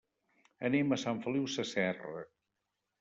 Anem a Sant Feliu Sasserra.